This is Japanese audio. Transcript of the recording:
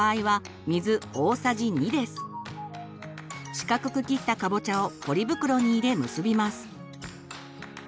四角く切ったかぼちゃをポリ袋に入れ結びます。